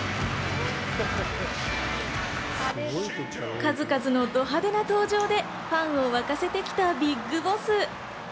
数々のど派手な登場でファンを沸かせてきたＢＩＧＢＯＳＳ。